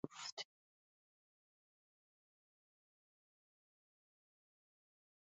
This controversy over who originated the sandwich remains unresolved.